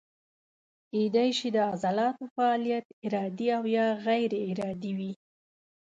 کیدای شي د عضلاتو فعالیت ارادي او یا غیر ارادي وي.